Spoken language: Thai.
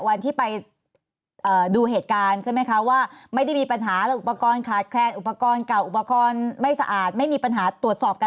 วันที่ไปดูเหตุการณ์ใช่ไหมคะ